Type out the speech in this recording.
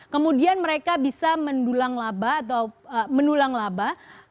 kemudian mereka bisa mendulang laba atau mendulang laba